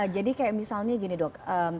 jadi kayak misalnya gini dok